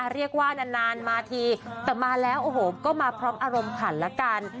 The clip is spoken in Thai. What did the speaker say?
เรียกว่านานมาทีแต่มาแล้วโอ้โหก็มาพร้อมอารมณ์ขันละกัน